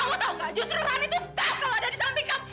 kamu tahu gak justru rani itu stres kalau ada di samping kamu